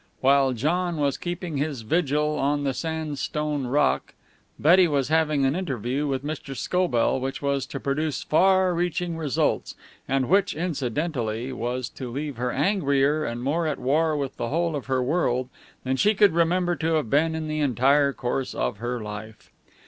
While John was keeping his vigil on the sandstone rock, Betty was having an interview with Mr. Scobell which was to produce far reaching results, and which, incidentally, was to leave her angrier and more at war with the whole of her world than she could remember to have been in the entire course of her life.